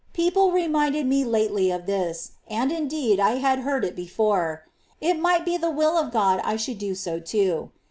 — people reminded me lately of this, and, indeed, I had heard it before, — it might be the will of God I should do so too.